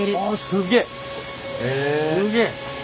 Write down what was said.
すげえ！